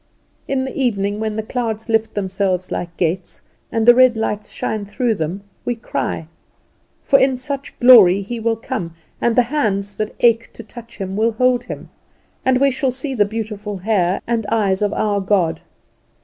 In the evening, when the clouds lift themselves like gates, and the red lights shine through them, we cry; for in such glory He will come, and the hands that ache to touch Him will hold him, and we shall see the beautiful hair and eyes of our God.